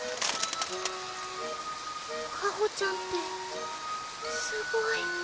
香穂ちゃんってすごい。